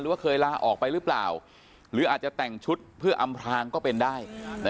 ว่าเคยลาออกไปหรือเปล่าหรืออาจจะแต่งชุดเพื่ออำพลางก็เป็นได้